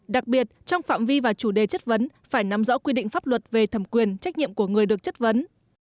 đặc biệt trong phạm vi và chủ đề chất vấn phải nắm rõ quy định pháp luật về thẩm quyền trách nhiệm của người được chất vấn